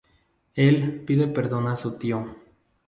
Él pide perdón a su tío.